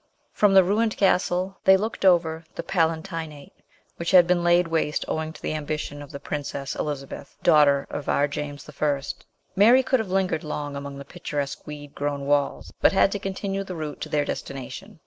From the ruined castle they looked over the Palatinate which had been laid waste owing to the ambition of the Princess Elizabeth, daughter of our James I. Mary could have lingered long among the picturesque weed grown walls, but had to continue the route to their destination.